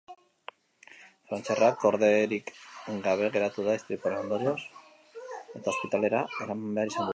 Frantziarra korderik gabe geratu da istripuaren ondorioz eta ospitalera eraman behar izan dute.